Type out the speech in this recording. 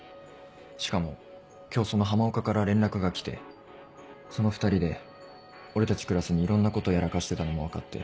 しかも今日その浜岡から連絡が来てその２人で俺たちクラスにいろんなことやらかしてたのも分かって。